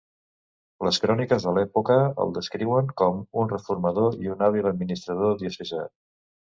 Les cròniques de l'època el descriuen com un reformador i un hàbil administrador diocesà.